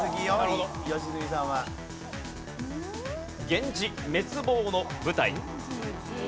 源氏滅亡の舞台。